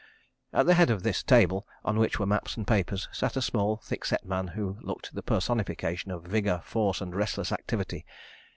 At the head of this table, on which were maps and papers, sat a small thick set man, who looked the personification of vigour, force and restless activity.